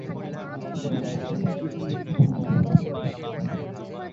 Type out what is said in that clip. অতএব ঈশার জীবন মনন করা আমাদের প্রধান কর্তব্য।